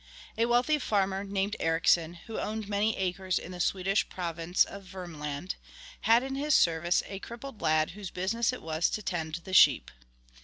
A wealthy farmer named Ericsson, who owned many acres in the Swedish province of Vermland, had in his service a crippled lad whose business it was to tend the sheep.